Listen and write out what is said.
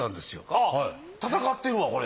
あっ戦ってるわこれ。